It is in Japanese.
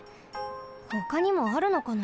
ほかにもあるのかな？